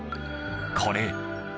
これ。